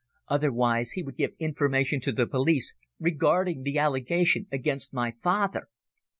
Otherwise he would give information to the police regarding the allegation against my father."